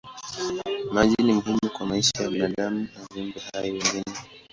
Maji ni muhimu kwa maisha ya binadamu na viumbe hai wengine.